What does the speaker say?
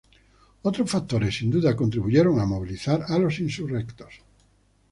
Otros factores sin duda contribuyeron a movilizar a los insurrectos.